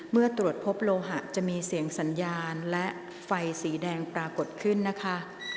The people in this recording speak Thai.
เมื่อตรวจพบโลหะจะมีเสียงสัญญาณและไฟสีแดงปรากฏขึ้นนะคะ